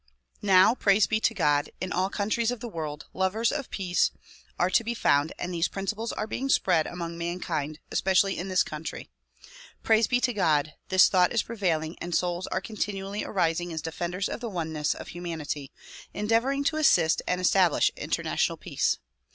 Now, Praise be to God ! in all countries of the world, lovers of peace are to be found and these principles are being spread among mankind, especially in this country. Praise be to God! this thought is prevailing and souls are continually arising as defenders of the oneness of humanity, endeavoring to assist and establish international peace.